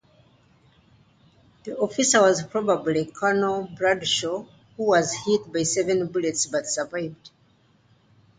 This officer was probably Colonel Bradshaw who was hit by seven bullets but survived.